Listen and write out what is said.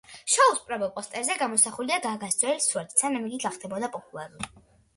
შოუს პრომო პოსტერზე გამოსახულია გაგას ძველი სურათი სანამ იგი გახდებოდა პოპულალური.